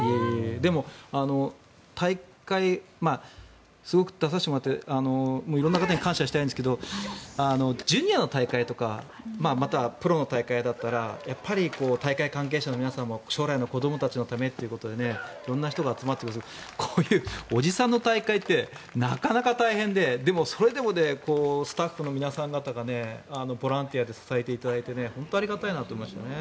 でも、大会すごく、出させてもらって色んな方に感謝したいんですがジュニアの大会とかまたプロの大会だったらやっぱり大会関係者の皆さんも将来の子どもたちのためってことで色んな人が集まってくれるんですがこういうおじさんの大会ってなかなか大変ででも、それでもスタッフの皆さん方がボランティアで支えていただいて本当にありがたいなと思いましたね。